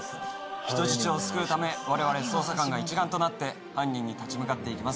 人質を救うため、われわれ捜査官が一丸となって、犯人に立ち向かっていきます。